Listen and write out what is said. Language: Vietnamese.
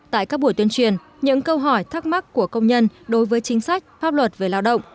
tại các buổi tuyên truyền những câu hỏi thắc mắc của công nhân đối với chính sách pháp luật về lao động